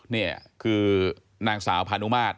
นี่คือนางสาวพานุมาตร